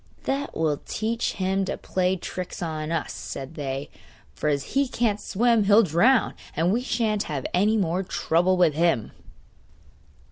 'That will teach him to play tricks on us,' said they. 'For as he can't swim he'll drown, and we sha'n't have any more trouble with him!